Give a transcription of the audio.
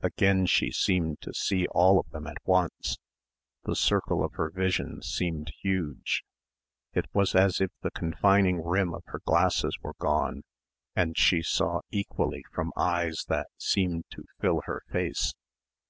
Again she seemed to see all of them at once. The circle of her vision seemed huge. It was as if the confining rim of her glasses were gone and she saw equally from eyes that seemed to fill her face.